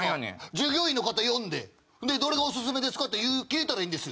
従業員の方呼んでどれがオススメですか？って聞いたらいいんですよ。